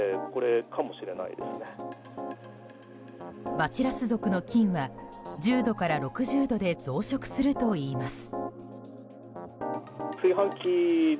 バチラス属の菌は１０度から６０度で増殖するといいます。